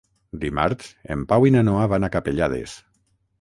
Dimarts en Pau i na Noa van a Capellades.